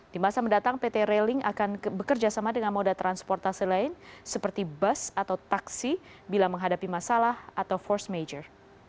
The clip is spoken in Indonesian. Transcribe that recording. di masa mendatang pt railing akan bekerja sama dengan moda transportasi lain seperti bus atau taksi bila menghadapi masalah atau force major